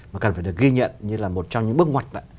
mà cần phải được ghi nhận như là một trong những bước ngoặt